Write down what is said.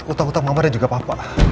utang utang mama dan juga papa